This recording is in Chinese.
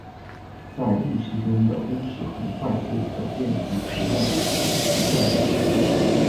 但预期中的攻势很快就转变成绝望的阻敌战斗。